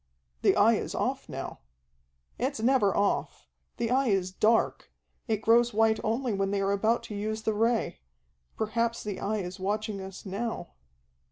"The Eye is off now." "It's never off. The Eye is dark. It grows white only when they are about to use the Ray. Perhaps the Eye is watching us now."